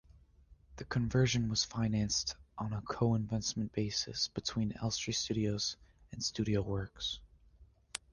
This conversion was financed on a co-investment basis between Elstree Studios and Studioworks.